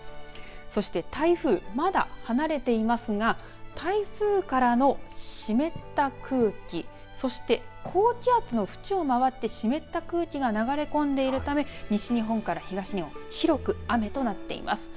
そして台風、まだ離れていますが台風からの湿った空気、高気圧の縁を回って湿った空気が流れ込んでいるため西日本から東日本、広く雨となっています。